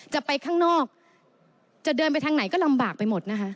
จะไปข้างนอกจะเดินไปทางไหนก็ลำบากไปหมดนะคะ